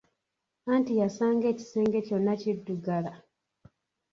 Anti yasanga ekisenge kyonna kiddugala!